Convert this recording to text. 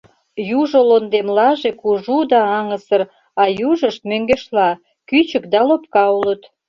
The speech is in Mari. Южо лондемлаже кужу да аҥысыр, а южышт, мӧҥгешла, кӱчык да лопка улыт.